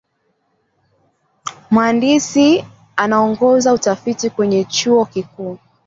Mhandisi anaongoza utafiti kwenye chuo kikuu